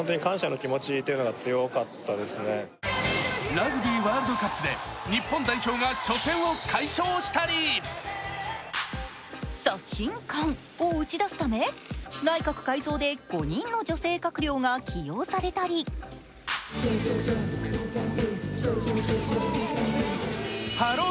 ラグビーワールドカップで日本代表が初戦を快勝したり刷新感を打ち出すため、内閣改造で５人の女性閣僚が起用されたり、ハロー！